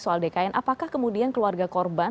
soal dkn apakah kemudian keluarga korban